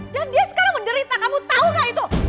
dan dia sekarang menderita kamu tau gak itu